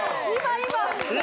今！